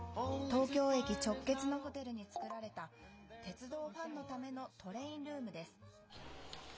東京駅直結のホテルに作られた鉄道ファンのためのトレインルームです。